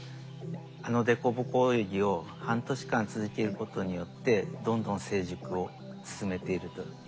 あの凸凹泳ぎを半年間続けることによってどんどん成熟を進めているということが分かってきたんです。